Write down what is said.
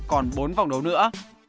còn bốn vòng đấu nữa